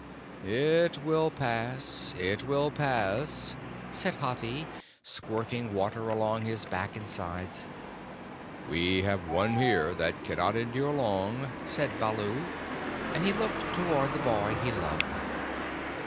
"It will pass, it will pass," said Hathi, squirting water along his back and sides. "We have one here that cannot endure long," said Baloo; and he looked toward the boy he loved.